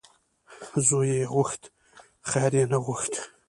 ـ زوی یې غوښت خیر یې نه غوښت .